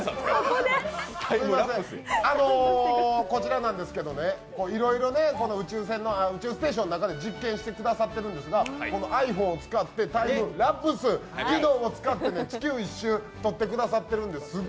こちらなんですけど、いろいろ宇宙ステーションの中でじっけんしてくださってるんですがｉＰｈｏｎｅを使ってタイムラプス機能を使って地球１周を撮ってくださってるんですよ。